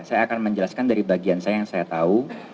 saya akan menjelaskan dari bagian saya yang saya tahu